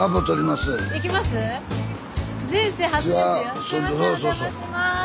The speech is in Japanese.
すいませんおじゃまします。